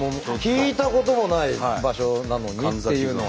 聞いたこともない場所なのにっていうのは。